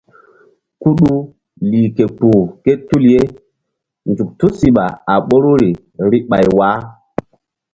Kuɗu lih ke kpuh ké tul ye zuk tusiɓa a ɓoruri vbi ɓay wah.